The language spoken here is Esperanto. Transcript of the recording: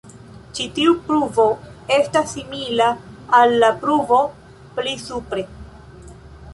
Ĉi tiu pruvo estas simila al la pruvo pli supre.